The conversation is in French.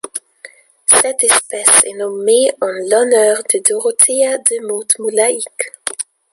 Cette espèce est nommée en l'honneur de Dorothea DeMuth Mulaik.